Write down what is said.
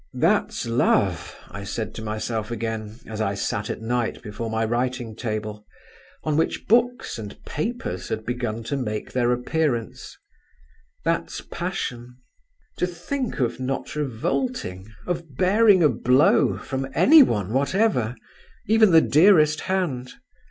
"That's love," I said to myself again, as I sat at night before my writing table, on which books and papers had begun to make their appearance; "that's passion!… To think of not revolting, of bearing a blow from any one whatever … even the dearest hand!